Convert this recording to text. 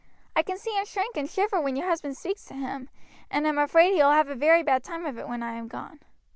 I can see him shrink and shiver when your husband speaks to him, and am afraid he will have a very bad time of it when I am gone."